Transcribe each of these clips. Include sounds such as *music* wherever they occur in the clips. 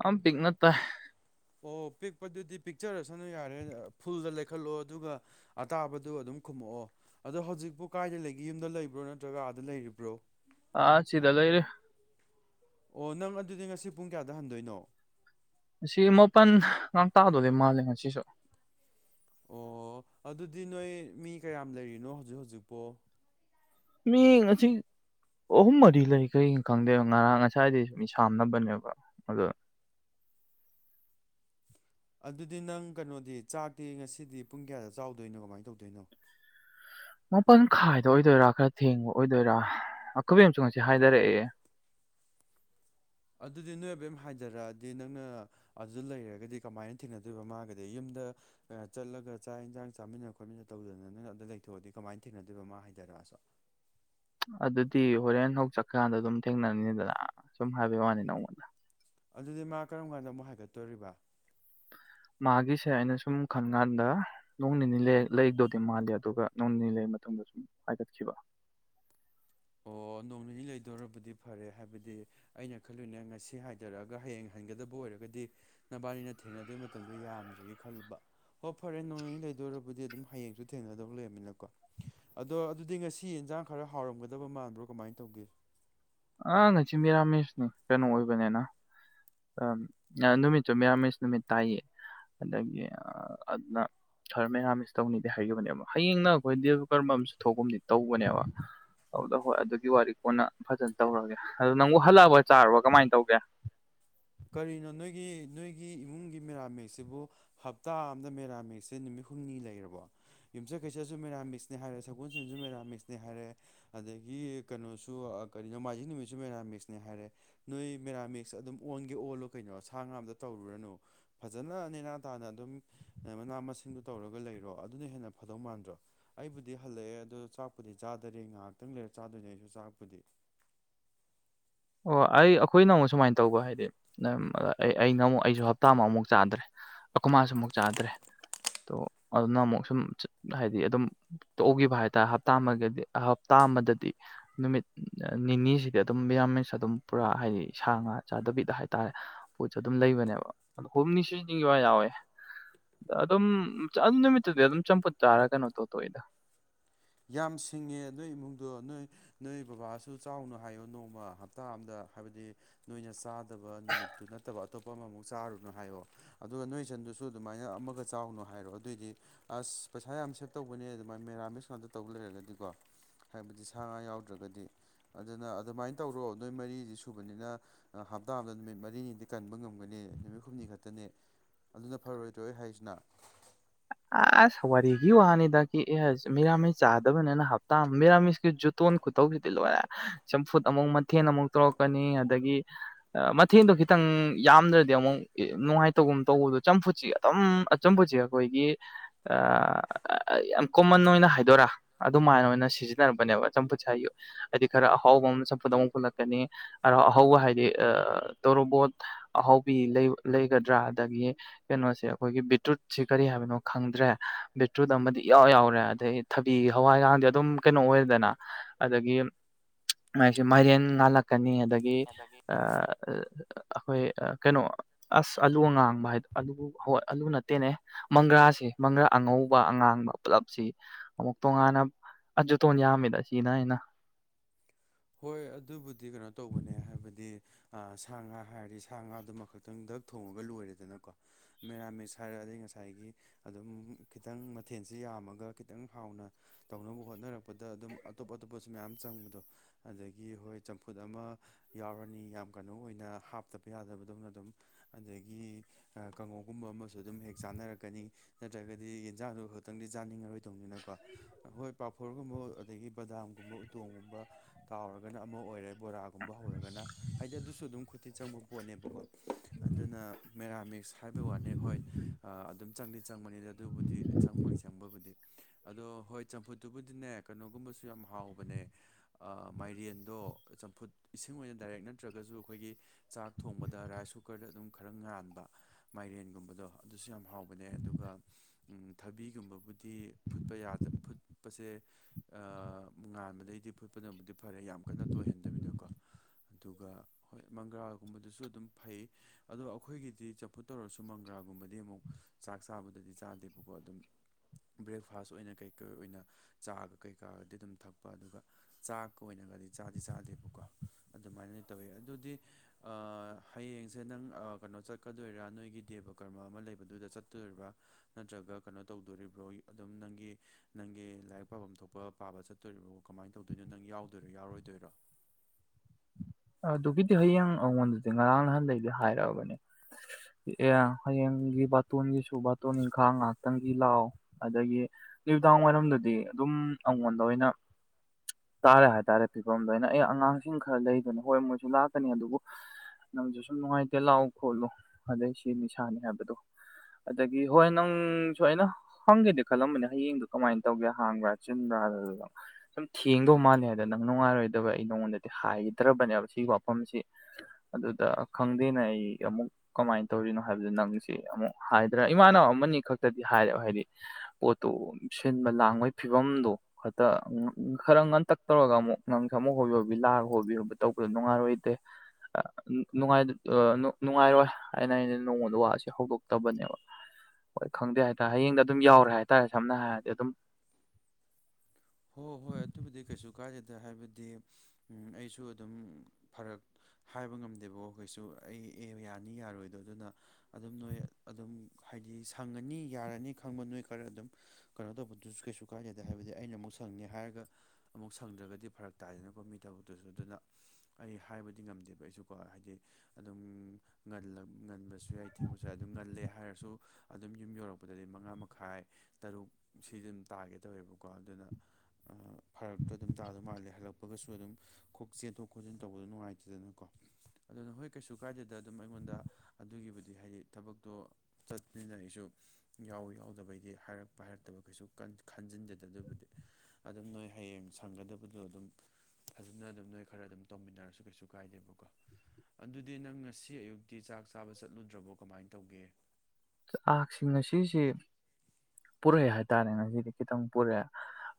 ꯌꯥꯝ ꯄꯤꯛꯅ ꯇꯥꯏ ꯑꯣ ꯄꯤꯛꯄꯗꯨꯗꯤ ꯄꯤꯛꯆꯔꯁꯅꯨ ꯌꯥꯔꯦ ꯐꯨꯜꯗ ꯂꯩꯈꯠꯂꯣ ꯑꯗꯨꯒ ꯑꯇꯥꯕꯗꯨ ꯑꯗꯨꯝ ꯈꯨꯝꯃꯛꯑꯣ ꯑꯗꯣ ꯍꯧꯖꯤꯛꯄꯨ ꯀꯥꯏꯗ ꯂꯩꯒꯦ ꯌꯨꯝꯗ ꯂꯩꯕ꯭ꯔꯣ ꯅꯠꯇ꯭ꯔꯒ ꯑꯥꯗ ꯂꯩꯔꯤꯕ꯭ꯔꯣ ꯑꯥ ꯁꯤꯗ ꯂꯩꯔꯤ ꯑꯣ ꯅꯪ ꯑꯗꯨꯗꯤ ꯉꯁꯤ ꯄꯨꯡ ꯀꯌꯥꯗ ꯍꯟꯗꯣꯏꯅꯣ ꯁꯤ ꯃꯥꯄꯟ ꯉꯥꯛ ꯇꯥꯗꯧꯗꯤ ꯃꯥꯜꯂꯦ ꯉꯁꯤꯁꯨ ꯑꯣ ꯑꯗꯨꯗꯤ ꯅꯣꯏ ꯃꯤ ꯀꯌꯥꯝ ꯂꯩꯔꯤꯅꯣ ꯍꯧꯖꯤꯛ ꯍꯧꯖꯤꯛꯄꯣ ꯃꯤ ꯉꯁꯤ ꯑꯣ ꯑꯍꯨꯝ ꯃꯔꯤ ꯂꯩ ꯀꯔꯤꯒꯤꯅꯣ ꯈꯪꯗꯦ ꯉꯔꯥꯡ ꯉꯁꯥꯏꯗꯒꯤ ꯁꯨꯝ ꯁꯝꯅꯕꯅꯦꯕ ꯑꯗꯣ ꯑꯗꯨꯗꯤ ꯅꯪ ꯀꯩꯅꯣꯗꯤ ꯆꯥꯛꯇꯤ ꯉꯁꯤꯗꯤ ꯄꯨꯡ ꯀꯌꯥꯗ ꯆꯥꯎꯗꯣꯏꯅꯣ ꯀꯃꯥꯏꯅ ꯇꯧꯗꯣꯏꯅꯣ ꯃꯄꯜ ꯃꯈꯥꯏꯗ ꯑꯣꯏꯗꯣꯏꯔꯥ ꯈꯔ ꯊꯦꯡꯕ ꯑꯣꯏꯗꯣꯏꯔꯥ ꯑꯩꯈꯣꯏ ꯕꯦꯝꯃꯁꯨ ꯉꯁꯤ ꯍꯥꯏꯗꯔꯛꯑꯦ ꯑꯗꯨꯗꯤ ꯅꯣꯏ ꯑꯕꯦꯝ ꯍꯥꯏꯗꯔꯛꯑꯗꯤ ꯅꯪꯅ ꯑꯗꯨꯗ ꯂꯩꯔꯒꯗꯤ ꯀꯃꯥꯏꯅ ꯊꯦꯡꯅꯗꯣꯏꯕ ꯃꯥꯒꯗꯤ ꯌꯨꯝꯗ ꯆꯠꯂꯒ ꯆꯥꯛ ꯌꯦꯟꯁꯥꯡ ꯆꯥꯃꯤꯟꯅ ꯈꯣꯠꯃꯤꯟꯅ ꯇꯧꯗꯅ ꯅꯪ ꯑꯗ ꯂꯩꯊꯣꯛꯑꯗꯤ ꯀꯃꯥꯏꯅ ꯊꯦꯡꯅꯗꯣꯏꯕ ꯃꯥ ꯍꯥꯏꯗꯔꯛꯑꯁꯨ ꯑꯗꯨꯗꯤ ꯍꯣꯔꯦꯟ ꯆꯠꯈ꯭ꯔꯀꯥꯟꯗ ꯑꯗꯨꯝ ꯊꯦꯡꯅꯅꯤꯗꯅ ꯁꯨꯝ ꯍꯥꯏꯕꯩ ꯋꯥꯅꯤ ꯅꯪꯉꯣꯟꯗ ꯑꯗꯨꯗꯤ ꯃꯥ ꯀꯔꯝ ꯀꯥꯟꯗ ꯑꯃꯨꯛ ꯍꯥꯏꯒꯠꯇꯣꯔꯤꯕ ꯃꯥꯒꯤꯁꯦ ꯑꯩꯅ ꯁꯨꯝ ꯈꯟ ꯀꯥꯟꯗ ꯅꯣꯡ ꯅꯤꯅꯤ ꯂꯩ ꯂꯩꯗꯧꯗꯤ ꯃꯥꯜꯂꯦ ꯑꯗꯨꯒ ꯅꯣꯡ ꯅꯤꯅꯤ ꯂꯩ ꯃꯇꯨꯡꯗ ꯑꯃꯨꯛ ꯍꯥꯏꯒꯠꯈꯤꯗꯧꯕ ꯑꯣ ꯅꯣꯡ ꯅꯤꯅꯤ ꯂꯩꯗꯣꯏ ꯑꯣꯏꯔꯕꯨꯗꯤ ꯐꯔꯦ ꯍꯥꯏꯕꯗꯤ ꯑꯩꯅ ꯈꯜꯂꯨꯏꯅ ꯉꯁꯤ ꯍꯥꯏꯊꯔꯛꯑꯒ ꯍꯌꯦꯡ ꯍꯟꯒꯗꯕ ꯑꯣꯏꯔꯒꯗꯤ ꯅꯕꯥꯅꯤꯅ ꯊꯦꯡꯅꯗꯣꯏ ꯃꯇꯝꯗꯣ ꯌꯥꯝꯗ꯭ꯔꯦꯒꯤ ꯈꯜꯂꯨꯕ ꯍꯣꯏ ꯐꯔꯦ ꯅꯣꯡ ꯅꯤꯅꯤ ꯂꯩꯗꯣꯏ ꯑꯣꯏꯔꯕꯨꯗꯤ ꯑꯗꯨꯝ ꯍꯌꯦꯡꯁꯨ ꯊꯦꯡꯅꯗꯧ ꯂꯩꯔꯕꯅꯤꯅꯀꯣ ꯑꯗꯣ ꯑꯗꯨꯗꯤ ꯉꯁꯤ ꯏꯟꯖꯥꯡ ꯈꯔ ꯍꯥꯎꯔꯝꯒꯗꯕ ꯃꯥꯟꯕ꯭ꯔꯣ ꯀꯃꯥꯏꯅ ꯇꯧꯒꯦ ꯑ ꯉꯁꯤ ꯃꯦꯔꯥꯃꯦꯁꯅꯤ ꯀꯩꯅꯣ ꯑꯣꯏꯕꯅꯤꯅ ꯅꯨꯃꯤꯠꯇꯨ ꯃꯦꯔꯥꯃꯦꯁ ꯅꯨꯃꯤꯠ ꯇꯥꯏꯌꯦ ꯑꯗꯒꯤ ꯑꯗꯨꯅ ꯃꯦꯔꯥꯃꯤꯁ ꯇꯧꯅꯤꯗꯤ ꯍꯥꯏꯅꯕꯅꯦꯕ ꯍꯌꯦꯡꯅ ꯑꯩꯈꯣꯏ ꯗꯦꯕ ꯀꯔꯃ ꯑꯃꯁꯨ ꯊꯣꯛꯄꯒꯨꯝꯗꯤ ꯇꯧꯕꯅꯦꯕ ꯑꯗꯨꯗ ꯍꯣꯏ ꯑꯗꯨꯒꯤ ꯋꯥꯔꯤ ꯀꯣꯟꯅ ꯐꯖꯅ ꯇꯧꯔꯒꯦ ꯑꯗꯨꯗꯣ ꯅꯪꯕꯨ ꯍꯜꯂꯛꯑꯕ ꯆꯥꯔꯕ ꯀꯃꯥꯏꯅ ꯇꯧꯒꯦ ꯀꯔꯤꯅꯣ ꯅꯣꯏꯒꯤ ꯅꯣꯏꯒꯤ ꯏꯃꯨꯡꯒꯤ ꯃꯦꯔꯥꯃꯦꯁ ꯁꯤꯕꯨ ꯍꯞꯇꯥ ꯑꯃꯗ ꯃꯦꯔꯥꯃꯤꯁꯁꯦ ꯅꯨꯃꯤꯠ ꯍꯨꯝꯅꯤ ꯂꯩꯔꯕꯣ ꯌꯨꯝꯁꯀꯩꯁ ꯁꯨ ꯃꯦꯔꯥꯃꯤꯁꯅꯦ ꯍꯥꯏꯔꯦ ꯁꯒꯣꯜꯁꯦꯟꯁꯨ ꯃꯦꯔꯥꯃꯤꯁꯅꯦ ꯍꯥꯏꯔꯦ ꯑꯗꯒꯤ ꯀꯩꯅꯣꯁꯨ ꯀꯔꯤ ꯅꯣꯡꯃꯥꯏꯖꯤꯡ ꯅꯨꯃꯤꯠꯁꯨ ꯃꯦꯔꯥꯃꯦꯁꯅꯦ ꯍꯥꯏꯔꯦ ꯅꯣꯏ ꯃꯦꯔꯥꯃꯤꯁ ꯑꯗꯨꯝ ꯑꯣꯟꯒꯦ ꯑꯣꯜꯂꯣ ꯀꯩꯅꯣ ꯁꯥ ꯉꯥ ꯑꯃꯗ ꯇꯧꯔꯨꯔꯅꯨ ꯐꯖꯅ ꯅꯦꯅꯥ ꯇꯥꯅ ꯑꯗꯨꯝ ꯃꯅꯥ ꯃꯁꯤꯡꯗꯨ ꯇꯧꯔꯒ ꯂꯩꯔꯣ ꯑꯗꯨꯅ ꯍꯦꯟꯅ ꯐꯗꯧ ꯃꯥꯟꯗ꯭ꯔꯣ ꯑꯩꯕꯨꯗꯤ ꯍꯜꯂꯛꯑꯦ ꯑꯗꯨ ꯆꯥꯛꯄꯨꯗꯤ ꯆꯥꯗꯔꯤ ꯉꯥꯏꯍꯥꯛꯇꯪ ꯂꯩꯔ ꯆꯥꯗꯣꯏꯅꯦ ꯑꯩꯁꯨ ꯆꯥꯛꯄꯨꯗꯤ ꯑꯣ ꯑꯩ ꯑꯩꯈꯣꯏꯅ ꯑꯃꯨꯛ ꯁꯨꯃꯥꯏꯅ ꯇꯧꯕ ꯍꯥꯏꯗꯤ ꯑꯩꯅ ꯑꯃꯨꯛ ꯑꯩꯁꯨ ꯍꯞꯇꯥ ꯑꯃ ꯑꯃꯨꯛ ꯆꯥꯗ꯭ꯔꯦ ꯑꯩꯈꯣꯏꯃꯥꯁꯨ ꯑꯃꯨꯛ ꯆꯥꯗ꯭ꯔꯦ ꯑꯗꯤ ꯑꯗꯨꯅ ꯑꯃꯨꯛ ꯁꯨꯝ ꯍꯥꯏꯗꯤ ꯑꯗꯨꯝ ꯇꯣꯛꯈꯤꯕ ꯍꯥꯏꯇꯥꯔꯦ ꯍꯞꯇꯥ ꯑꯃꯗꯗꯤ ꯍꯞꯇꯥ ꯑꯃꯗꯗꯤ ꯅꯨꯃꯤꯠ ꯅꯤꯅꯤꯁꯤꯗꯤ ꯑꯗꯨꯝ ꯃꯦꯔꯥꯃꯦꯁ ꯑꯗꯨꯝ ꯄꯨꯔꯥ ꯍꯥꯏꯗꯤ ꯁꯥ ꯉꯥ ꯆꯥꯗꯕꯤꯗ ꯍꯥꯏꯇꯥꯔꯦ ꯄꯣꯠꯁꯨ ꯑꯗꯨꯝ ꯂꯩꯕꯅꯦꯕ ꯑ ꯍꯨꯝꯅꯤ ꯁꯨꯖꯤꯟꯒꯤꯕꯁꯨ ꯌꯥꯎꯋꯦ ꯑꯗꯨꯝ ꯑꯗꯨ ꯅꯨꯃꯤꯠꯇꯨꯗꯤ ꯑꯗꯨꯝ ꯆꯝꯐꯨꯠ ꯆꯥꯔꯒ ꯀꯩꯅꯣ ꯇꯧꯊꯣꯛꯏꯗ ꯌꯥꯝ ꯁꯤꯡꯉꯦ ꯅꯣꯏ ꯏꯃꯨꯡꯗꯣ ꯅꯣꯏ ꯅꯣꯏ ꯕꯕꯥꯁꯨ ꯆꯥꯎꯅ ꯍꯥꯏꯌꯣ ꯅꯣꯡꯃ ꯍꯞꯇꯥ ꯑꯃꯗ ꯍꯥꯏꯕꯗꯤ ꯅꯣꯏꯅ ꯆꯥ ꯐꯠꯇꯕ ꯅꯨꯃꯤꯠꯇꯨ ꯅꯠꯇꯕ ꯑꯇꯣꯞꯄ ꯑꯃꯃꯨꯛ ꯆꯥꯔꯨꯅꯨ ꯍꯥꯏꯌꯣ ꯑꯗꯨꯒ ꯅꯣꯏ ꯏꯆꯟꯗꯨꯁꯨ ꯑꯗꯨꯃꯥꯏꯅ ꯑꯃꯒ ꯆꯥꯎꯅꯣ ꯍꯥꯏꯔꯣ ꯑꯗꯨꯑꯣꯏꯗꯤ ꯑꯁ ꯄꯩꯁꯥ ꯌꯥꯝ ꯁꯦꯞ ꯇꯧꯕꯅꯦ ꯑꯗꯨꯃꯥꯏꯅ ꯃꯦꯔꯥꯃꯤꯁ ꯉꯥꯛꯇ ꯇꯧꯕ ꯂꯩꯔꯒꯗꯤꯀꯣ ꯍꯥꯏꯕꯗꯤ ꯁꯥ ꯉꯥ ꯌꯥꯎꯗ꯭ꯔꯒꯗꯤ ꯑꯗꯨꯅ ꯑꯗꯨꯃꯥꯏꯅ ꯇꯧꯔꯣ ꯅꯣꯏ ꯃꯔꯤꯁꯤ ꯁꯨꯕꯅꯤꯅ ꯍꯞꯇꯥ ꯑꯃꯗ ꯅꯨꯃꯤꯠ ꯃꯔꯤꯅꯤꯗꯤ ꯀꯟꯕ ꯉꯝꯒꯅꯤ ꯅꯨꯃꯤꯠ ꯍꯨꯝꯅꯤ ꯈꯛꯇꯅꯦ ꯑꯗꯨꯅ ꯐꯔꯣꯏꯗ꯭ꯔꯣ ꯑꯩ ꯍꯥꯏꯁꯤꯅ ꯑꯁ ꯋꯥꯔꯤꯒꯤ ꯋꯥꯅꯤꯗ ꯑꯦꯁ ꯃꯤꯔꯥꯃꯤꯁ ꯆꯥꯗꯕꯅꯤꯅ ꯍꯞꯇꯥ ꯃꯤꯔꯥꯃꯤꯁꯀꯤ ꯇꯣꯟ ꯈꯨꯇꯧꯁꯤꯗꯤ ꯂꯣꯏꯔꯦ ꯆꯝꯐꯨꯠ ꯑꯃꯨꯛ ꯃꯊꯦꯟ ꯑꯃꯨꯛ ꯇꯧꯔꯛꯀꯅꯤ ꯑꯗꯒꯤ ꯃꯊꯦꯜꯗꯣ ꯈꯤꯇꯪ ꯌꯥꯝꯗ꯭ꯔꯗꯤ ꯑꯃꯨꯛ ꯅꯨꯡꯉꯥꯏꯇꯧꯒꯨꯝ ꯇꯧꯕꯗꯣ ꯆꯝꯐꯨꯠꯁꯤ ꯑꯗꯨꯝ ꯑꯆꯨꯝꯕꯁꯦ ꯑꯩꯈꯣꯏꯒꯤ ꯌꯥꯝ ꯀꯣꯃꯟ ꯑꯣꯏꯅ ꯍꯥꯏꯗꯣꯏꯔꯥ ꯑꯗꯨꯃꯥꯏꯅ ꯑꯣꯏꯅ ꯁꯤꯖꯤꯟꯅꯔꯝꯕꯅꯦꯕ ꯆꯝꯐꯨꯠꯁꯦ ꯍꯥꯏ ꯍꯥꯏꯗꯤ ꯈꯔ ꯑꯍꯥꯎꯕ ꯑꯃ ꯆꯝꯐꯨꯠ ꯑꯃꯨꯛ ꯐꯨꯠꯂꯛꯀꯅꯤ ꯑꯣ ꯑꯍꯧꯕ ꯍꯥꯏꯗꯤ ꯇꯣꯔꯣꯕꯣꯠ ꯑꯍꯥꯎꯕꯤ ꯂꯩꯒꯗ꯭ꯔꯥ ꯑꯗꯒꯤ ꯀꯩꯅꯣꯁꯦ ꯑꯩꯈꯣꯏꯒꯤ ꯕꯤꯇ꯭ꯔꯨꯠꯁꯦ ꯀꯔꯤ ꯍꯥꯏꯕꯅꯣ ꯈꯪꯗ꯭ꯔꯦ ꯕꯤꯠꯔꯨꯠ ꯑꯃꯗꯤ ꯏꯌꯥꯎ ꯌꯥꯎꯔꯦ ꯑꯗꯩ ꯊꯕꯤ ꯍꯋꯥꯏꯒꯥꯗꯤ ꯑꯗꯨꯝ ꯀꯩꯅꯣ ꯑꯣꯏꯗꯅ ꯑꯗꯒꯤ ꯃꯥꯁꯤ ꯃꯥꯏꯔꯦꯟ ꯉꯥꯜꯂꯛꯀꯅꯤ ꯑꯗꯒꯤ ꯑ ꯑꯩꯈꯣꯏ ꯀꯩꯅꯣ ꯑꯁ ꯑꯂꯨ ꯉꯥꯡꯕ ꯍꯥꯏꯗ ꯑꯂꯨ ꯍꯣꯏ ꯑꯂꯨ ꯅꯠꯇꯦꯅꯦ ꯃꯪꯒ꯭ꯔꯥꯁꯦ ꯃꯪꯒ꯭ꯔꯥ ꯑꯉꯧꯕ ꯑꯉꯥꯡꯕ ꯄꯨꯂꯞꯁꯤ ꯑꯃꯨꯛ ꯇꯣꯉꯥꯜꯅ ꯖꯣꯇꯣꯜ ꯌꯥꯝꯃꯦꯗ ꯑꯁꯤ ꯑꯅꯥꯅꯤꯅ ꯍꯣꯏ ꯑꯗꯨꯕꯨꯗꯤ ꯀꯩꯅꯣ ꯇꯧꯕꯅꯦ ꯍꯥꯏꯕꯗꯤ ꯁꯥ ꯉꯥ ꯍꯥꯏꯔꯗꯤ ꯁꯥ ꯉꯥꯗꯨ ꯑꯃꯈꯛꯇꯪ ꯗꯛ ꯊꯣꯡꯉꯒ ꯂꯣꯏꯔꯦꯗꯅꯀꯣ ꯃꯦꯔꯥꯃꯤꯁ ꯍꯥꯏꯔ ꯗꯤ ꯉꯁꯥꯏꯒꯤ ꯑꯗꯨꯝ ꯈꯤꯇꯪ ꯃꯊꯦꯜꯁꯤ ꯌꯥꯝꯃꯒ ꯈꯤꯇꯪ ꯍꯥꯎꯅ ꯇꯧꯅꯕ ꯍꯣꯠꯅꯔꯛꯄꯗ ꯑꯗꯨꯝ ꯑꯇꯣꯞ ꯑꯇꯣꯞꯄꯁꯨ ꯃꯌꯥꯝ ꯆꯪꯕꯗꯣ ꯑꯗꯒꯤ ꯍꯣꯏ ꯆꯝꯐꯨꯠ ꯑꯃ ꯌꯥꯎꯔꯅꯤ ꯌꯥꯝ ꯀꯩꯅꯣ ꯑꯣꯏꯅ ꯍꯥꯞꯇꯕ ꯌꯥꯗꯕꯗꯧꯅ ꯑꯗꯨꯝ ꯑꯗꯒꯤ ꯀꯥꯡꯉꯣꯒꯨꯝꯕ ꯑꯃꯁꯨ ꯑꯗꯨꯝ ꯍꯦꯛ ꯆꯥꯅꯔꯛꯀꯅꯤ ꯅꯠꯇ꯭ꯔꯒꯗꯤ ꯌꯦꯟꯁꯥꯡꯗꯨ ꯈꯛꯇꯪꯗꯤ ꯆꯥꯅꯤꯡꯉꯔꯣꯏ ꯅꯤꯅꯀꯣ ꯍꯣꯏ ꯄꯥꯐꯣꯔꯒꯨꯝꯕ ꯑꯗꯒꯤ ꯕꯗꯥꯝꯒꯨꯝꯕ ꯎꯇꯣꯡꯒꯨꯝꯕ ꯇꯥꯎꯔꯒꯅ ꯑꯃ ꯑꯣꯏꯔꯦ ꯕꯣꯔꯥꯒꯨꯝꯕ ꯍꯧꯔꯒꯅ ꯍꯥꯏꯗꯤ ꯑꯗꯨꯁꯨ ꯑꯗꯨꯝ ꯈꯨꯠꯇꯤ ꯆꯪꯕ ꯄꯣꯠꯅꯦꯕꯀꯣ ꯑꯗꯨꯅ ꯃꯦꯔꯥꯃꯤꯛꯁ ꯍꯥꯏꯕ ꯋꯥꯅꯦ ꯍꯣꯏ ꯑꯗꯨꯝ ꯆꯪꯗꯤ ꯆꯪꯕꯅꯤꯗ ꯑꯗꯨꯕꯨꯗꯤ ꯆꯪꯕꯒꯤ ꯆꯪꯕꯕꯨꯗꯤ ꯑꯗꯣ ꯍꯣꯏ ꯆꯝꯐꯨꯠꯇꯨꯕꯨꯗꯤꯅꯦ ꯀꯩꯅꯣꯒꯨꯝꯕꯁꯨ ꯌꯥꯝ ꯍꯥꯎꯕꯅꯦ ꯃꯥꯏꯔꯦꯟꯗꯣ ꯆꯝꯐꯨꯠ ꯏꯁꯤꯡ ꯑꯣꯏꯅ ꯗꯥꯏꯔꯦꯛ ꯅꯠꯇ꯭ꯔꯒꯁꯨ ꯑꯩꯈꯣꯏꯒꯤ ꯆꯥꯛ ꯊꯣꯡꯕꯗ ꯔꯥꯏꯁ ꯀꯨꯀꯔꯗ ꯑꯗꯨꯝ ꯈꯔ ꯉꯥꯟꯕ ꯃꯥꯏꯔꯦꯟꯒꯨꯝꯕꯗꯣ ꯑꯗꯨꯁꯨ ꯌꯥꯝ ꯍꯥꯎꯕꯅꯦ ꯑꯗꯨꯒ ꯊꯕꯤꯒꯨꯝꯕꯕꯨꯗꯤ ꯐꯨꯠꯄ ꯌꯥꯗꯕ ꯐꯨꯠꯄꯁꯦ ꯑ ꯉꯥꯟꯕꯗꯩꯗꯤ ꯐꯨꯠꯄꯗꯕꯨꯗꯤ ꯐꯔꯦ ꯌꯥꯝ ꯀꯟꯅ ꯇꯣꯏꯍꯟꯗꯕꯤꯗꯀꯣ ꯑꯗꯨꯒ ꯍꯣꯏ ꯃꯪꯒ꯭ꯔꯥꯒꯨꯝꯕꯗꯁꯨ ꯑꯗꯨꯝ ꯐꯩ ꯑꯗꯣ ꯑꯩꯈꯣꯏꯒꯤꯗꯤ ꯆꯐꯨꯠ ꯇꯧꯔꯁꯨ ꯃꯪꯒ꯭ꯔꯥꯒꯨꯝꯕꯗꯤ ꯑꯃꯨꯛ ꯆꯥꯛ ꯆꯥꯕꯗꯗꯤ ꯆꯥꯗꯦꯕꯀꯣ ꯑꯗꯨꯝ ꯕ꯭ꯔꯦꯛꯐꯥꯁ ꯑꯣꯏꯅ ꯀꯩꯀꯩ ꯑꯣꯏꯅ ꯆꯥꯒ ꯀꯩꯀꯥꯒꯗꯤ ꯑꯗꯨꯝ ꯊꯛꯄ ꯑꯗꯨꯒ ꯆꯥꯛ ꯑꯣꯏꯅꯒꯗꯤ ꯆꯥꯗꯤ ꯆꯥꯗꯦꯕꯀꯣ ꯑꯗꯨꯃꯥꯏꯅ ꯇꯧꯋꯤ ꯑꯗꯨꯗꯤ ꯍꯌꯦꯡꯁꯦ ꯅꯪ ꯀꯩꯅꯣ ꯆꯠꯀꯗꯣꯏꯔꯥ ꯅꯣꯏꯒꯤ ꯗꯦꯕ ꯀꯔꯃ ꯑꯃ ꯂꯩꯕꯗꯨꯗ ꯆꯠꯇꯣꯏꯔ ꯅꯠꯇ꯭ꯔꯒ ꯀꯩꯅꯣ ꯇꯧꯗꯣꯔꯤꯕ꯭ꯔꯣ ꯑꯗꯨꯝ ꯅꯪꯒꯤ ꯅꯪꯒꯤ ꯂꯥꯏꯔꯤꯛ ꯄꯥꯐꯝ ꯊꯣꯛꯄ ꯄꯥꯕ ꯆꯠꯇꯣꯔꯤꯕꯣ ꯀꯃꯥꯏꯅ ꯇꯧꯗꯣꯏꯅꯣ ꯅꯪ ꯌꯥꯎꯗꯣꯏꯔꯣ ꯌꯥꯎꯔꯣꯏꯗꯣꯏꯔ ꯑꯗꯨꯒꯤꯗꯤ ꯍꯌꯦꯡ ꯑꯩꯉꯣꯟꯗꯗꯤ ꯉꯔꯥꯡ ꯅꯍꯥꯟꯗꯒꯤꯩꯗꯤ ꯍꯥꯏꯔꯛꯑꯕꯅꯦ ꯑꯦ ꯍꯌꯦꯡꯒꯤ ꯕꯥꯇꯣꯟꯒꯤꯁꯨ ꯕꯥꯇꯣꯟ ꯏꯪꯈꯥꯡ ꯉꯥꯏꯍꯥꯛꯇꯪ ꯏ ꯂꯥꯎ ꯑꯗꯒꯤ ꯅꯨꯃꯤꯗꯥꯡ ꯋꯥꯏꯔꯝꯗꯗꯤ ꯑꯗꯨꯝ ꯑꯩꯉꯣꯟꯗ ꯑꯣꯏꯅ ꯇꯥꯔꯦ ꯍꯥꯏꯇꯥꯔꯦ ꯐꯤꯕꯝꯗꯣ ꯑꯩꯅ ꯑꯩ ꯑꯉꯥꯡꯁꯤꯡ ꯈꯔ ꯂꯩꯗꯅ ꯍꯣꯏ ꯃꯣꯏꯁꯨ ꯂꯥꯛꯀꯅꯤ ꯑꯗꯨꯕꯨ ꯅꯪꯁꯨ ꯁꯨꯝ ꯅꯨꯡꯉꯥꯏꯇꯦ ꯂꯥꯛꯎ ꯈꯣꯠꯂꯨ ꯑꯗꯩ ꯁꯤꯅꯤꯁꯥꯅꯤ ꯍꯥꯏꯕꯗꯣ ꯑꯗꯒꯤ ꯍꯣꯏ ꯅꯪꯁꯨ ꯑꯩꯅ ꯍꯪꯒꯦꯗꯤ ꯈꯜꯂꯝꯕꯅꯤ ꯍꯌꯦꯡꯗꯨꯣ ꯀꯃꯥꯏꯅ ꯇꯧꯒꯦ ꯍꯥꯡꯕ꯭ꯔꯥ ꯆꯤꯟꯕ꯭ꯔꯥ ꯑꯗꯨ ꯁꯨꯝ ꯊꯦꯡꯗꯧ ꯃꯥꯜꯂꯦꯗ ꯅꯪ ꯅꯨꯡꯉꯥꯏꯔꯣꯏꯗꯕ ꯑꯩ ꯅꯉꯣꯟꯗꯗꯤ ꯍꯥꯏꯗ꯭ꯔꯕꯅꯦꯕ ꯁꯤꯒꯤ ꯋꯥꯐꯝꯁꯤ ꯑꯗꯨꯗ ꯈꯪꯗꯦꯅ ꯑꯩ ꯑꯃꯨꯛ ꯀꯃꯥꯏꯅ ꯇꯧꯔꯤꯅꯣ ꯍꯥꯏꯕꯗꯨ ꯅꯪꯁꯤ ꯑꯃꯨꯛ ꯍꯥꯏꯗ꯭ꯔꯥ ꯏꯃꯥꯟꯅꯕ ꯑꯃꯅꯤ ꯈꯛꯇꯗꯤ ꯍꯥꯏꯔꯦ ꯍꯥꯏꯗꯤ ꯄꯣꯠꯇꯣ ꯁꯤꯟꯕ ꯂꯥꯡꯕꯒꯤ ꯐꯤꯕꯝꯗꯣ ꯈꯛꯇ ꯈꯔ ꯉꯟꯇꯛ ꯇꯧꯔꯒ ꯑꯃꯨꯛ ꯅꯪꯁꯦ ꯑꯃꯨꯛ ꯍꯣꯕꯤ ꯍꯣꯕꯤ ꯂꯥꯛꯑꯒ ꯍꯣꯕꯤ ꯍꯣꯕꯤ ꯇꯧꯕꯗꯣ ꯅꯨꯡꯉꯥꯏꯔꯣꯏꯗꯦ *inaudible* *unintelligible* ꯅꯨꯡꯉꯥꯏꯔꯣꯏ ꯑꯩꯅ ꯑꯩꯅ ꯅꯉꯣꯡꯗ ꯋꯥꯁꯦ ꯍꯧꯗꯣꯛꯇꯕꯅꯦꯕ ꯍꯣꯏ ꯈꯪꯗꯦ ꯍꯥꯏꯇꯥꯔꯦ ꯍꯌꯦꯡꯗ ꯑꯗꯨꯝ ꯌꯥꯎꯔꯦ ꯍꯥꯏꯇꯥꯔꯦ ꯁꯝꯅ ꯍꯥꯏꯔꯗꯤ ꯑꯗꯨꯝ ꯍꯣꯏ ꯍꯣꯏ ꯑꯗꯨꯕꯨꯗꯤ ꯀꯩꯁꯨ ꯀꯥꯏꯗꯦꯗ ꯍꯥꯏꯕꯗꯤ ꯎꯝ ꯑꯩꯁꯨ ꯑꯗꯨꯝ ꯎꯝ ꯐꯔꯛ ꯍꯥꯏꯕ ꯉꯝꯗꯦꯕ ꯑꯩꯈꯣꯏꯁꯨ ꯑꯩ ꯑꯦ ꯌꯥꯅꯤ ꯌꯥꯔꯣꯏꯗꯣ ꯑꯗꯨꯅ ꯑꯗꯨꯝ ꯅꯣꯏ ꯑꯗꯨꯝ ꯍꯥꯏꯗꯤ ꯁꯪꯉꯅꯤ ꯌꯥꯔꯅꯤ ꯈꯪꯕ ꯅꯣꯏ ꯈꯔ ꯑꯗꯨꯝ ꯀꯩꯅꯣ ꯇꯧꯕꯗꯨꯁꯨ ꯀꯩꯁꯨ ꯀꯥꯏꯗꯦꯗ ꯍꯥꯏꯕꯗꯤ ꯑꯩꯅ ꯑꯃꯨꯛ ꯁꯪꯅꯤ ꯍꯥꯏꯔꯒ ꯑꯃꯨꯛ ꯁꯪꯗ꯭ꯔꯒꯗꯤ ꯐꯔꯛ ꯇꯥꯏꯗꯅꯀꯣ ꯃꯤ ꯊꯕꯛꯇꯨꯁꯨ ꯑꯗꯨꯅ ꯑꯩ ꯍꯥꯏꯕꯗꯤ ꯉꯝꯗꯦꯕ ꯑꯩꯁꯨꯀꯣ ꯍꯥꯏꯗꯤ ꯑꯗꯨꯝ ꯉꯜꯂ ꯉꯟꯕꯁꯨ ꯁꯨ ꯌꯥꯏ ꯊꯦꯡꯕꯁꯦ ꯑꯗꯨꯝ ꯉꯜꯂꯦ ꯍꯥꯏꯔꯁꯨ ꯑꯗꯨꯝ ꯌꯨꯝ ꯌꯧꯔꯛꯄꯗꯗꯤ ꯃꯉꯥ ꯃꯈꯥꯏ ꯇꯔꯨꯛ ꯁꯤꯗꯤ ꯑꯗꯨꯝ ꯇꯥꯒꯦ ꯇꯧꯋꯦꯕꯀꯣ ꯑꯗꯨꯅ ꯑꯥ ꯐꯔꯛꯇꯣ ꯑꯗꯨꯝ ꯇꯥꯗꯧ ꯃꯥꯜꯂꯦ ꯍꯜꯂꯛꯄꯒꯁꯨ ꯑꯗꯨꯝ ꯈꯣꯛ ꯆꯦꯟꯊꯣꯛ ꯈꯣꯠꯆꯤꯟ ꯇꯧꯕꯗꯣ ꯅꯨꯡꯉꯥꯏꯇꯦꯗꯅꯀꯣ ꯑꯗꯨꯅ ꯍꯣꯏ ꯀꯩꯁꯨ ꯀꯥꯏꯗꯦꯗ ꯑꯗꯨꯝ ꯑꯩꯉꯣꯟꯗ ꯑꯗꯨꯒꯤꯕꯨꯗꯤ ꯍꯥꯏꯗꯤ ꯊꯕꯛꯇꯣ ꯆꯠꯄꯅꯤꯅꯥ ꯑꯩꯁꯨ ꯌꯥꯎꯏ ꯌꯥꯎꯗꯕꯩꯗꯤ ꯍꯥꯏꯔꯛꯄ ꯍꯥꯏꯔꯛꯇꯕ ꯀꯩꯁꯨ ꯀꯟ ꯈꯟꯖꯤꯟꯖꯗꯕꯗꯨ ꯑꯗꯨꯝ ꯅꯣꯏ ꯍꯌꯦꯡ ꯁꯪꯒꯗꯕꯗꯨ ꯑꯗꯨꯝ ꯐꯖꯅ ꯑꯗꯨꯝ ꯅꯣꯏ ꯈ꯭ꯔ ꯑꯗꯨꯝ ꯇꯧꯃꯤꯟꯅꯔꯁꯨ ꯀꯩꯁꯨ ꯀꯥꯏꯗꯦꯕꯀꯣ ꯑꯗꯨꯗꯤ ꯅꯪ ꯉꯁꯤ ꯑꯌꯨꯛꯀꯤ ꯆꯥꯛ ꯆꯥꯕ ꯆꯠꯂꯨꯗ꯭ꯔꯥꯕꯣ ꯀꯃꯥꯏꯅ ꯇꯧꯒꯦ *unintelligible* ꯁꯤ ꯉꯁꯤꯁꯤ ꯄꯨꯔꯛꯑꯦ ꯍꯥꯏꯇꯥꯔꯦ ꯉꯁꯤꯗꯤ ꯈꯤꯇꯪ ꯄꯨꯔꯛꯑꯦ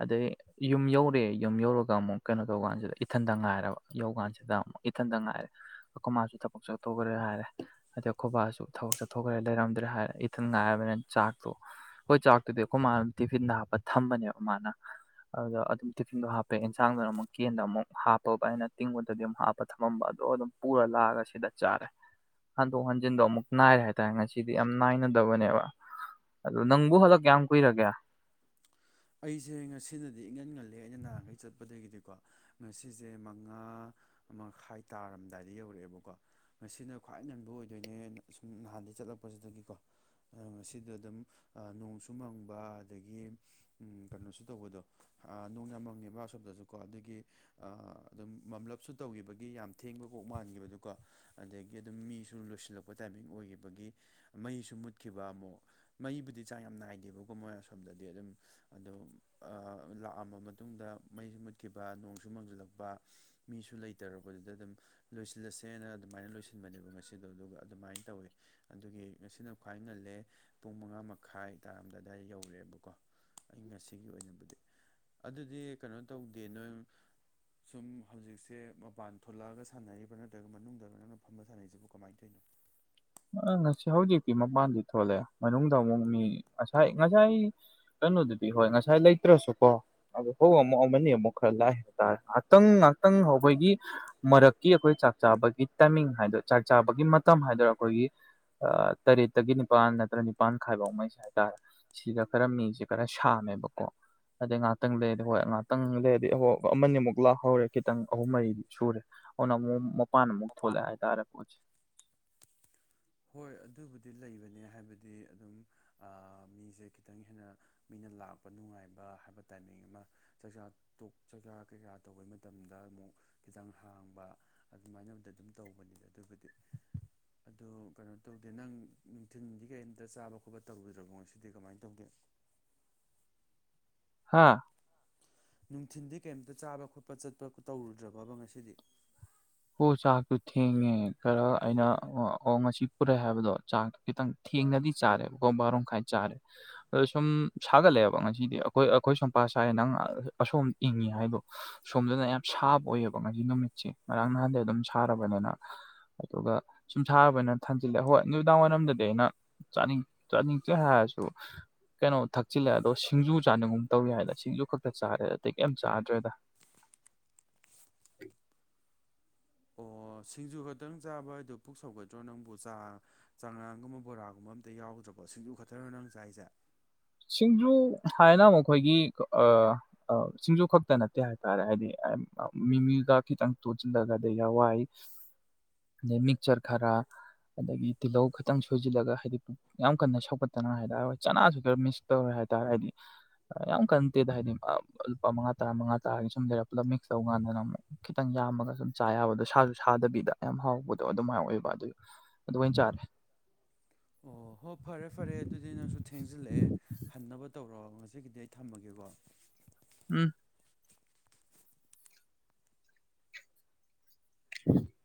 ꯑꯗꯒꯤ ꯌꯨꯝ ꯌꯧꯔꯦ ꯌꯨꯝ ꯌꯧꯔꯒ ꯑꯃꯨꯛ ꯀꯩꯅꯣ ꯇꯧ ꯀꯥꯟꯁꯤꯗ ꯏꯊꯟꯇ ꯉꯥꯏꯔꯕ ꯌꯧ ꯀꯥꯟꯁꯤꯗ ꯑꯃꯨꯛ ꯏꯊꯟꯇ ꯉꯥꯏꯔꯦ ꯑꯩꯈꯣꯏ ꯃꯥꯁꯨ ꯊꯕꯛ ꯆꯠꯊꯣꯛꯈ꯭ꯔꯦ ꯍꯥꯏꯔꯦ ꯑꯗꯩ ꯑꯩꯈꯣꯏꯕꯥꯁꯨ ꯊꯕꯛ ꯆꯠꯊꯣꯛꯈ꯭ꯔꯦ ꯂꯩꯔꯝ ꯍꯥꯏꯔꯦ ꯏꯊꯟꯉꯥꯏꯔꯕꯅꯤꯅ ꯆꯥꯛꯇꯣ ꯍꯣꯏ ꯆꯥꯛꯇꯨꯗꯤ ꯑꯩꯈꯣꯏ ꯃꯥꯅ ꯇꯤꯐꯤꯟꯗꯥ ꯍꯥꯞꯄ ꯊꯝꯕꯅꯦꯕ ꯃꯥꯅ ꯑꯗꯨꯗ ꯑꯗꯨꯝ ꯇꯤꯐꯤꯟꯗꯣ ꯍꯥꯞꯄꯦ ꯑꯦꯟꯁꯥꯡꯗꯨꯅ ꯑꯃꯨꯛ ꯀꯦꯟꯗ ꯑꯃꯨꯛ ꯍꯥꯞꯄꯕ ꯑꯩꯅ ꯇꯤꯡꯀꯣꯠꯇꯗꯤ ꯑꯃꯨꯛ ꯍꯥꯞ ꯄ ꯊꯝꯃꯝꯕ ꯑꯗꯣ ꯑꯗꯨꯝ ꯄꯨꯔ ꯂꯥꯛꯑꯒ ꯁꯤꯗ ꯆꯥꯔꯦ ꯍꯟꯗꯣꯛ ꯍꯟꯖꯤꯟꯗꯣ ꯑꯃꯨꯛ ꯅꯥꯏꯔꯦ ꯍꯥꯏꯇꯥꯔꯦ ꯉꯁꯤ ꯁꯤꯗꯤ ꯌꯥꯝ ꯅꯥꯏꯅꯗꯕꯅꯦꯕ ꯑꯗꯨ ꯅꯪꯕꯨ ꯍꯜꯂꯛ ꯀꯌꯥꯝ ꯀꯨꯏꯔꯒꯦ ꯑꯩꯁꯦ ꯉꯁꯤꯅꯗꯤ ꯏꯪꯉꯟ ꯉꯜꯂꯦ ꯑꯩꯅ ꯅꯍꯥꯟꯈꯩ ꯆꯠꯄꯗꯒꯤꯗꯤꯀꯣ ꯉꯁꯤꯁꯦ ꯃꯉꯥ ꯃꯈꯥꯏ ꯇꯥꯔꯝꯗꯥꯏꯗ ꯌꯧꯔꯛꯑꯦꯕꯀꯣ ꯃꯁꯤꯅ ꯈ꯭ꯋꯥꯏ ꯅꯟꯕ ꯑꯣꯏꯗꯣꯏꯅꯦ ꯁꯨꯝ ꯅꯍꯥꯟꯗꯒꯤ ꯆꯠꯂꯛꯄꯁꯤꯗꯒꯤꯀꯣ ꯉꯁꯤꯗ ꯑꯗꯨꯝ ꯅꯣꯡꯁꯨ ꯃꯪꯕ ꯑꯗꯒꯤ ꯀꯩꯅꯣꯁꯨ ꯇꯧꯕꯗꯣ ꯑ ꯅꯣꯡꯌꯥꯝꯅ ꯃꯪꯉꯦꯕ ꯑꯁꯣꯝꯗꯁꯨꯀꯣ ꯑꯗꯒꯤ ꯑꯥ ꯑꯗꯨꯝ ꯃꯝꯂꯞꯁꯨ ꯇꯧꯈꯤꯕꯒꯤ ꯌꯥꯝ ꯊꯦꯡꯕ ꯀꯣꯛ ꯃꯥꯟꯈꯤꯕꯗꯨꯀꯣ ꯑꯗꯒꯤ ꯑꯗꯨꯝ ꯃꯤꯁꯨ ꯂꯣꯏꯁꯤꯜꯂꯛꯄ ꯇꯥꯏꯃꯤꯡ ꯑꯣꯏꯈꯤꯕꯒꯤ ꯃꯩꯁꯨ ꯃꯨꯠꯈꯤꯕ ꯑꯃꯨꯛ ꯃꯩꯕꯨꯗꯤ ꯆꯥꯡ ꯌꯥꯝ ꯅꯥꯏꯗꯦꯕꯀꯣ ꯃꯣꯏ ꯑꯁꯣꯝꯗꯗꯤ ꯑꯗꯨꯝ ꯑꯗꯣ ꯑꯥ ꯂꯥꯛꯑꯝꯃ ꯃꯇꯨꯡꯗ ꯃꯩꯁꯨ ꯃꯨꯠꯈꯤꯕ ꯅꯣꯡꯁꯨ ꯃꯪꯁꯤꯜꯂꯛꯄ ꯃꯤꯁꯨ ꯂꯩꯇꯔꯕꯗ ꯑꯗꯨꯝ ꯂꯣꯏꯁꯤꯜꯂꯁꯦꯅ ꯑꯗꯨꯃꯥꯏꯅ ꯂꯣꯏꯁꯤꯟꯕꯅꯦꯕ ꯉꯁꯤꯗꯣ ꯑꯗꯨꯒ ꯑꯗꯨꯃꯥꯏꯅ ꯇꯧꯋꯦ ꯑꯗꯨꯒꯤ ꯉꯁꯤꯅ ꯈ꯭ꯋꯥꯏ ꯉꯜꯂꯦ ꯄꯨꯡ ꯃꯉꯥ ꯃꯈꯥꯏ ꯇꯥꯔꯝꯗꯥꯏ ꯑꯗꯨꯋꯥꯏꯗ ꯌꯧꯔꯛꯑꯦꯕꯀꯣ ꯑꯩ ꯉꯁꯤꯒꯤ ꯑꯣꯏꯅꯕꯨꯗꯤ ꯑꯗꯨꯗꯤ ꯀꯩꯅꯣ ꯇꯧꯗꯦ ꯅꯣꯏ ꯁꯨꯝ ꯍꯧꯖꯤꯛꯁꯦ ꯃꯄꯥꯟ ꯊꯣꯛꯂꯛꯑꯒ ꯁꯥꯟꯅꯔꯤꯕ꯭ꯔꯥ ꯅꯠꯇ꯭ꯔꯒ ꯃꯅꯨꯡꯗ ꯅꯪꯅ ꯐꯝꯕ ꯁꯥꯟꯅꯔꯤꯁꯤꯕꯨ ꯀꯃꯥꯏꯅ ꯇꯧꯔꯤꯅꯣ ꯑ ꯉꯁꯤ ꯍꯧꯖꯤꯛꯇꯤ ꯃꯄꯥꯟꯗꯤ ꯊꯣꯛꯂꯛꯦ ꯃꯅꯨꯡꯗ ꯑꯃꯨꯛ ꯃꯤ ꯉꯁꯥꯏ ꯉꯁꯥꯏ ꯀꯩꯅꯣꯗꯨꯗꯤ ꯍꯣꯏ ꯉꯁꯥꯏ ꯂꯩꯇ꯭ꯔꯁꯨꯀꯣ ꯑ ꯍꯣꯏ ꯑꯃꯨꯛ ꯑꯃꯅꯤ ꯑꯃꯨꯛ ꯈꯔ ꯂꯥꯛꯑꯦ ꯍꯥꯏꯕꯇꯥꯔꯦ ꯉꯥꯛꯇꯪ ꯉꯥꯏꯍꯥꯛꯇꯪ ꯍꯧꯕꯒꯤ ꯃꯔꯛꯀꯤ ꯑꯩꯈꯣꯏ ꯆꯥꯛ ꯆꯥꯕꯒꯤ ꯇꯥꯏꯃꯤꯡ ꯍꯥꯏ ꯆꯥꯛ ꯆꯥꯕꯒꯤ ꯃꯇꯝ ꯍꯥꯏꯗꯔ ꯑꯩꯈꯣꯏꯒꯤ ꯇꯔꯦꯠꯇꯒꯤ ꯅꯤꯄꯥꯜ ꯅꯠꯇ꯭ꯔ ꯅꯤꯄꯥꯟ ꯈꯥꯏꯕꯥꯎꯉꯩꯁꯦ ꯍꯥꯏꯇꯥꯔꯦ ꯁꯤꯗ ꯈꯔ ꯃꯤꯡꯁꯦ ꯈꯔ ꯁꯥꯡꯉꯦꯕꯀꯣ ꯑꯗꯩ ꯉꯍꯥꯛꯇꯪ ꯂꯩꯔꯗꯤ ꯍꯣꯏ ꯉꯥꯛꯇꯪ ꯂꯩꯔꯗꯤ ꯍꯣ ꯑꯃꯅꯤꯃꯨꯛ ꯂꯥꯛꯍꯧꯔꯦ ꯈꯤꯇꯪ ꯑꯍꯨꯝ ꯃꯔꯤꯗꯤ ꯁꯨꯔꯦ ꯑꯣꯅꯃꯄꯥꯟ ꯑꯃꯨꯛ ꯊꯣꯛꯂꯛ ꯑꯦ ꯍꯥꯏ ꯇꯥꯔꯦ ꯄꯣꯠꯁꯦ ꯍꯣꯏ ꯑꯗꯨꯕꯨꯗꯤ ꯂꯩꯕꯅꯦ ꯍꯥꯏꯕꯗꯤ ꯑꯗꯨꯝ ꯃꯤꯁꯦ ꯈꯤꯇꯪ ꯍꯦꯟꯅ ꯃꯤꯅ ꯂꯥꯛꯄ ꯅꯨꯡꯉꯥꯏꯕ ꯍꯥꯏꯕ ꯇꯥꯏꯃꯤꯡ ꯑꯃ ꯆꯥꯛꯆꯥ ꯇꯣꯛ ꯆꯥꯛꯆꯥ ꯀꯩꯀꯥ ꯇꯧꯕꯩ ꯃꯇꯝꯗ ꯑꯃꯨꯛ ꯈꯤꯇꯪ ꯍꯥꯡꯕ ꯑꯗꯨꯃꯥꯏꯅ ꯑꯃꯝꯗ ꯑꯗꯨꯝ ꯇꯧꯕꯅꯤꯗ ꯑꯗꯨꯕꯨꯗꯤ ꯑꯗꯣ ꯀꯩꯅꯣ ꯇꯧꯗꯦ ꯅꯪ ꯅꯨꯡꯊꯤꯟꯗꯤ ꯀꯩꯝꯇ ꯆꯥꯕ ꯈꯣꯠꯄ ꯇꯧꯔꯨꯗ꯭ꯔꯕꯣ ꯉꯁꯤꯗꯤ ꯀꯃꯥꯏꯅ ꯇꯧꯒꯦ ꯍꯥꯥ ꯅꯨꯡꯊꯤꯟꯗꯤ ꯀꯩꯝꯇ ꯆꯥꯕ ꯈꯣꯠꯄ ꯆꯠꯄ ꯇꯧꯔꯨꯗ꯭ꯔꯕꯥꯕꯥ ꯉꯁꯤꯗꯤ ꯑꯣ ꯆꯥꯛꯇꯣ ꯊꯦꯡꯉꯦ ꯈꯔ ꯑꯩꯅ ꯑꯣ ꯉꯁꯤ ꯄꯨꯔꯦ ꯍꯥꯏꯕꯗꯣ ꯆꯥꯛ ꯈꯤꯇꯪ ꯊꯦꯡꯅꯗꯤ ꯆꯥꯔꯦ ꯕꯥꯔꯣꯃꯈꯥꯏ ꯆꯥꯔꯦ ꯑꯗꯣ ꯁꯨꯝ ꯁꯥꯒꯠꯂꯛꯑꯦꯕ ꯉꯁꯤꯗꯤ ꯑꯩꯈꯣꯏ ꯑꯩꯈꯣꯏ ꯁꯨꯝꯄꯥ ꯁꯥꯏ ꯅꯪ ꯑꯁꯣꯝ ꯏꯪꯉꯤ ꯍꯥꯏꯗꯣ ꯁꯣꯝꯗꯅ ꯌꯥꯝ ꯁꯥꯕ ꯑꯣꯏꯌꯦꯕ ꯉꯁꯤ ꯅꯨꯃꯤꯠꯁꯦ ꯉꯔꯥꯡ ꯅꯍꯥꯟꯗꯩ ꯑꯗꯨꯝ ꯁꯥꯔꯕꯅꯤꯅ ꯑꯗꯨꯒ ꯁꯨꯝ ꯁꯥꯕꯅ ꯊꯝꯖꯤꯜꯂꯦ ꯍꯣꯏ ꯅꯨꯃꯤꯗꯥꯡ ꯋꯥꯏꯔꯝꯗꯗꯤ ꯑꯩꯅ ꯆꯥꯅꯤꯡ ꯆꯥꯅꯤꯡꯇꯦ ꯍꯥꯏꯔ꯭ꯁꯨ ꯀꯩꯅꯣ ꯊꯛꯆꯤꯜꯂꯦ ꯑꯗꯣ ꯁꯤꯡꯖꯨ ꯆꯥꯅꯤꯡꯒꯨꯝ ꯇꯧ ꯌꯥꯏꯗ ꯁꯤꯡꯖꯨ ꯈꯛꯇ ꯆꯥꯔꯦ ꯑꯇꯩ ꯀꯩꯝ ꯆꯥꯗ꯭ꯔꯦꯗ ꯑꯣ ꯁꯤꯡꯖꯨ ꯈꯛꯇꯪ ꯆꯥꯕ ꯍꯥꯏꯗꯣ ꯄꯨꯛ ꯁꯧꯒꯠꯇꯔꯣ ꯅꯪꯕꯨ ꯆꯥ ꯆꯉꯥꯡꯒꯨꯝꯕ ꯕꯣꯔꯥꯒꯨꯝꯕ ꯑꯝꯇ ꯌꯥꯎꯗ꯭ꯔꯕꯣꯠ ꯁꯤꯡꯖꯨ ꯈꯇꯔꯣ ꯅꯪ ꯆꯥꯏꯖꯦ ꯁꯤꯡꯖꯨ ꯍꯥꯏꯅ ꯃꯨꯛ ꯈꯣꯏꯒꯤ ꯑ ꯁꯤꯡꯖꯨ ꯈꯛꯇ ꯅꯠꯇꯦ ꯍꯥꯏꯇꯥꯔꯦ ꯍꯥꯏꯗꯤ ꯃꯤꯃꯤꯒ ꯈꯤꯇꯪ ꯇꯣꯠꯁꯤꯜꯂꯒꯗꯤ ꯍꯥꯋꯥꯏ *inaudible* ꯑꯗꯩꯩ ꯃꯤꯛꯆꯔ ꯈꯔ ꯑꯗꯒꯤ ꯇꯤꯜꯍꯧ ꯈꯤꯇꯪ ꯁꯣꯏꯖꯤꯜꯂꯒ ꯍꯥꯏꯗꯤ ꯌꯥꯝ ꯀꯟꯅ ꯁꯧꯒꯠꯇꯅ ꯍꯥꯏꯇꯥꯔꯦ ꯍꯣꯏ ꯆꯅꯥꯁꯨ ꯈꯔ ꯃꯤꯁ ꯇꯧꯔꯦ ꯍꯥꯏꯇꯥꯔꯦ ꯍꯥꯏꯗꯤ ꯌꯥꯝ ꯀꯟꯇꯦꯗ ꯍꯥꯏꯗꯤ ꯂꯨꯄꯥ ꯃꯉꯥ ꯇꯔꯥ ꯃꯉꯥ ꯇꯔꯥꯒꯤ ꯁꯨꯝ ꯂꯩꯔꯄꯗ ꯃꯤꯛꯁ ꯇꯧ ꯀꯥꯟꯗꯅ ꯑꯃꯨꯛ ꯈꯤꯇꯪ ꯌꯥꯝꯃꯒ ꯁꯨꯝ ꯆꯥ ꯌꯥꯕꯗꯣ ꯁꯥꯁꯨ ꯁꯥꯗꯕꯤꯗ ꯌꯥꯝ ꯍꯥꯎꯕꯗꯣ ꯑꯗꯨꯃꯥꯏꯅ ꯑꯣꯏꯕ ꯑꯗꯨ ꯑꯗꯨ ꯑꯣꯏ ꯆꯥꯔꯦ ꯑꯣ ꯍꯣ ꯐꯔꯦ ꯐꯔꯦ ꯑꯗꯨꯗꯤ ꯅꯪꯁꯨ ꯊꯦꯡꯖꯤꯜꯂꯛꯑꯦ ꯍꯟꯅꯕ ꯇꯧꯔꯛꯑꯣ ꯉꯁꯤ ꯁꯤꯒꯤꯗꯤ ꯑꯩ ꯊꯝꯃꯒꯦꯀꯣ ꯎꯝ *unintelligible*